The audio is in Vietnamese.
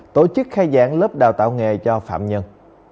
tổ chức khai giảng lớp đào tạo nghề cho phạm nhân